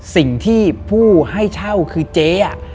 สิ่งที่ผู้ให้เช่าคือเจ๊